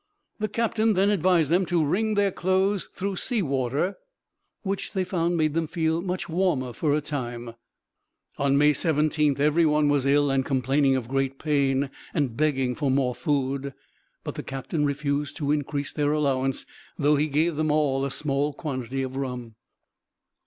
The captain then advised them to wring their clothes through sea water, which they found made them feel much warmer for a time. On May 17 every one was ill and complaining of great pain, and begging for more food; but the captain refused to increase their allowance, though he gave them all a small quantity of rum.